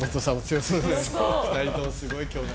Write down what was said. ２人ともすごい兄弟。